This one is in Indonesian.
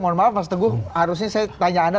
mohon maaf mas teguh harusnya saya tanya anda